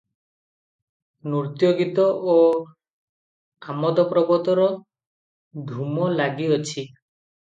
ନୃତ୍ୟ ଗୀତ ଓ ଆମୋଦ ପ୍ରମୋଦର ଧୂମ ଲାଗିଅଛି ।